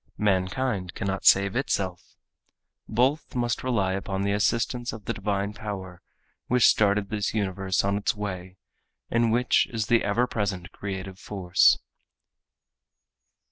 Mankind cannot save itself. Both must rely upon the assistance of the divine power which started this universe on its way and which is the ever present creative force.